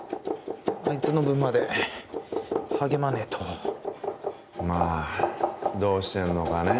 あいつの分まで励まねえとまあどうしてんのかねえ